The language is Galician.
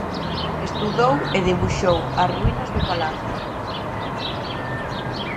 Estudou e debuxou as ruínas do palacio.